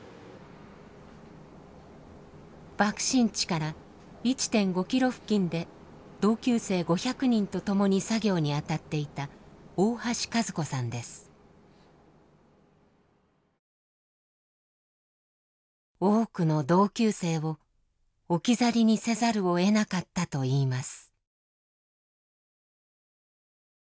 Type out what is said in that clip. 爆心地から１．５ｋｍ付近で同級生５００人と共に作業に当たっていた多くの同級生を置き去りにせざるをえなかったといいます。